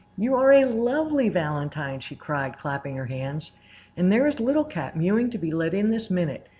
"You are a lovely valentine!" she cried, clapping her hands. "And there is Little Cat mewing to be let in this minute.